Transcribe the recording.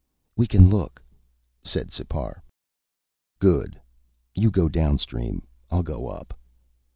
"We can look," said Sipar. "Good. You go downstream. I'll go up."